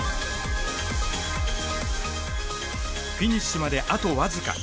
フィニッシュまで、あと僅か。